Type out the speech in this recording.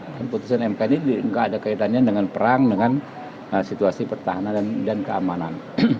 kan putusan mk ini tidak ada kaitannya dengan perang dengan situasi pertahanan dan keamanan